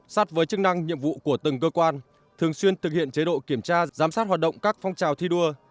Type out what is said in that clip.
sát với chức năng nhiệm vụ của từng cơ quan thường xuyên thực hiện chế độ kiểm tra giám sát hoạt động các phong trào thi đua